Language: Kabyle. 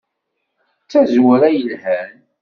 D tazwara i yelhan!